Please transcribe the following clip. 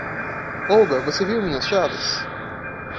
Olga, você viu minhas chaves?